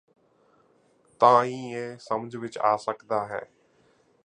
ਤਾਂ ਹੀ ਇਹ ਸਮਝ ਵਿਚ ਆ ਸਕਦਾ ਹੈ